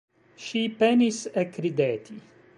Ŝi penis ekrideti.